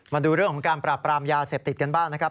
มาดูเรื่องของการปราบปรามยาเสพติดกันบ้างนะครับ